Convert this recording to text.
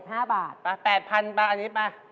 ป่ะ๘๐๐๐บาทอันนี้ป่ะ